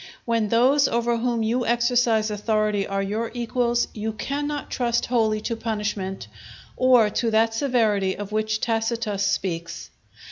When those over whom you exercise authority are your equals, you cannot trust wholly to punishment or to that severity of which Tacitus speaks.